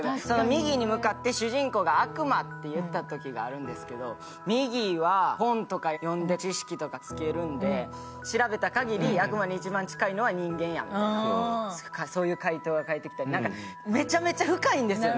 ミギーに向かって主人公が「悪魔」って言ったことがあるんですけど、ミギーは本とか読んで知識とかつけるんで、調べたかぎり、悪魔に一番近いのは人間や、そういう回答が返ってきたり、めちゃめちゃ深いんですよ。